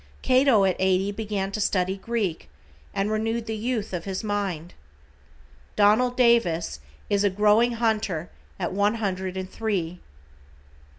Cato at eighty began to study Greek, and renewed the youth of his mind. Donald Davis is a growing hunter at one hundred and three.